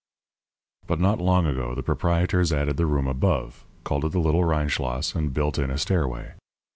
But not long ago the proprietors added the room above, called it the Little Rheinschloss, and built in a stairway.